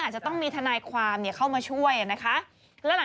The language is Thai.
อืมอืมอืมอืม